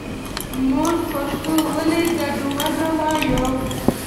مونږ پښتو ولې ګډه وډه وايو